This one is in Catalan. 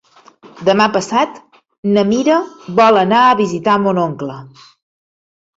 Demà passat na Mira vol anar a visitar mon oncle.